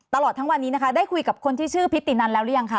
ตลอดทั้งวันนี้นะคะได้คุยกับคนที่ชื่อพิธีนันแล้วหรือยังคะ